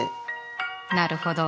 なるほど。